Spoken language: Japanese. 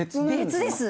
別です。